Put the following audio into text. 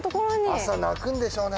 朝鳴くんでしょうね。